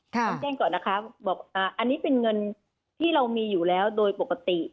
ต้องแจ้งก่อนนะคะบอกอันนี้เป็นเงินที่เรามีอยู่แล้วโดยปกติ